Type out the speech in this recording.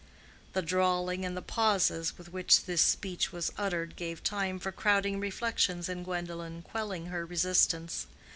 The drawling and the pauses with which this speech was uttered gave time for crowding reflections in Gwendolen, quelling her resistance.